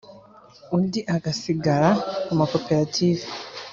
undi ugasigara ku makoperative